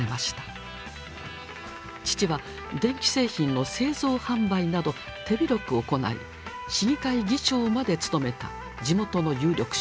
父は電気製品の製造・販売など手広く行い市議会議長まで務めた地元の有力者。